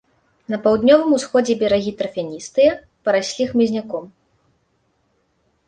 На паўднёвым усходзе берагі тарфяністыя, параслі хмызняком.